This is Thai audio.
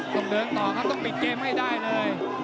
ต้องเดินต่อครับต้องปิดเกมให้ได้เลย